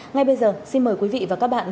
ngay bây giờ xin mời quý vị và các bạn